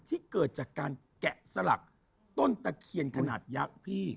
ที่เกิดจากการแกะสลักต้นตะเคียนขนาดยักษ์พี่